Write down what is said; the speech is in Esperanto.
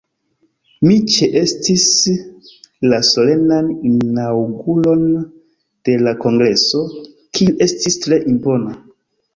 Mi ĉeestis la Solenan Inaŭguron de la kongreso, kiu estis tre impona.